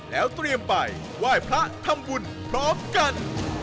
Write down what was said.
แล้วเตรียมไปไหว้พระทำบุญพร้อมกัน